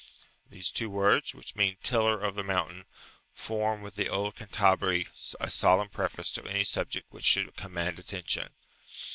These two words, which mean "tiller of the mountain," form with the old Cantabri a solemn preface to any subject which should command attention.